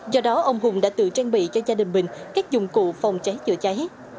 do đó ông hùng đã tự trang bị cho gia đình mình các dụng cụ phòng cháy chữa cháy